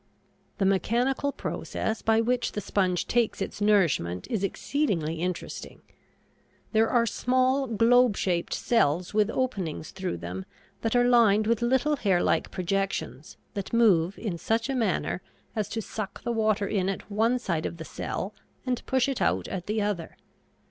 The mechanical process by which the sponge takes its nourishment is exceedingly interesting. There are small globe shaped cells with openings through them that are lined with little hairlike projections that move in such a manner as to suck the water in at one side of the cell and push it out at the other.